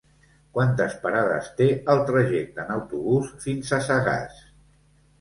Quantes parades té el trajecte en autobús fins a Sagàs?